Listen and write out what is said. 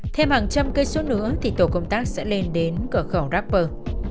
thêm hàng trăm cây số nữa thì tổ công tác sẽ lên đến cửa khẩu rapper